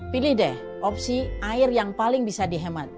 pilih deh opsi air yang paling bisa dihemat